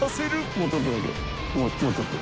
もうちょっとだけもうちょっと。